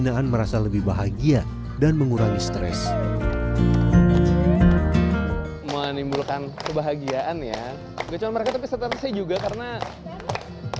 kemungkinan merasa lebih bahagia dan mengurangi stres menimbulkan kebahagiaan ya